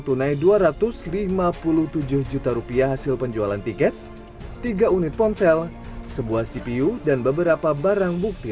tunai dua ratus lima puluh tujuh juta rupiah hasil penjualan tiket tiga unit ponsel sebuah cpu dan beberapa barang bukti